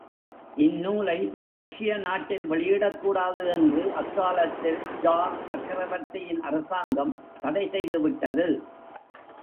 இந் நூலை ரஷ்ய நாட்டில் வெளியிடக் கூடாது என்று அக்காலத்தில் ஜார் சக்கரவர்த்தியின் அரசாங்கம் தடை செய்து விட்டது.